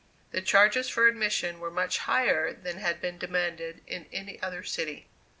The charges for admission were much higher than had been demanded in any other city.